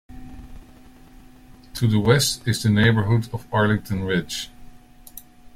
To the West is the neighborhood of Arlington Ridge.